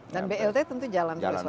dan blt tentu jalan